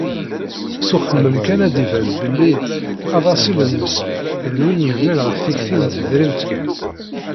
S uxemmem kan ad d-iban belli adasil n leslak d win yebnan ɣef tikti n tedrimt kan.